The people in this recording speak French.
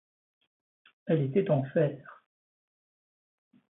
Elle était en fer.